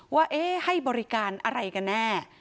ว่าให้บริการอะไรกันแน่